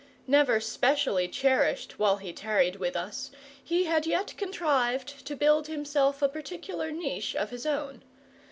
Never specially cherished while he tarried with us, he had yet contrived to build himself a particular niche of his own.